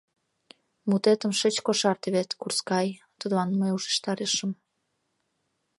— Мутетым шыч кошарте вет, курскай, — тудлан мый ушештарышым.